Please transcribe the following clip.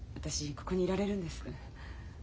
ここにいられるんです。